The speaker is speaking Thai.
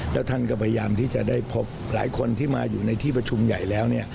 แล้วท่านก็พยายามที่จะได้พบหลายคนที่มาอยู่ในที่ประชุมใหญ่แล้ว